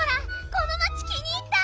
この町気に入った！